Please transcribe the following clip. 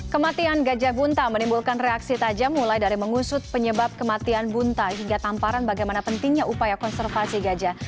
kematian gajah bunta menimbulkan reaksi tajam mulai dari mengusut penyebab kematian bunta hingga tamparan bagaimana pentingnya upaya konservasi gajah